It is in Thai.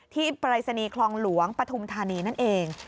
ที่ปรัชนีครองหลวงปฐุมธานีนั่นเอง